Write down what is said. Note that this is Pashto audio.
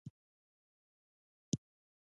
د جنګي وسلو لواو لپاره د قد او وزن اړتیاوې